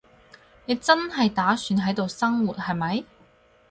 你真係打算喺度生活，係咪？